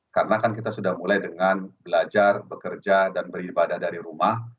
karena kan kita sudah mulai dengan belajar bekerja dan beribadah dari rumah